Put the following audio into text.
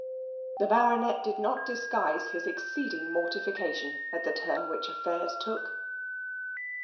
The Baronet did not disguise his exceeding mortification at the turn which affairs took.